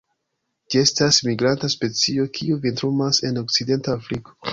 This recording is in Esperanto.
Ĝi estas migranta specio, kiu vintrumas en okcidenta Afriko.